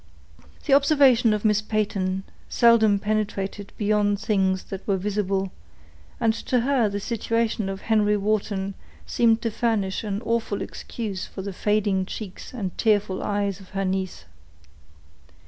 The observation of Miss Peyton seldom penetrated beyond things that were visible, and to her the situation of Henry Wharton seemed to furnish an awful excuse for the fading cheeks and tearful eyes of her niece.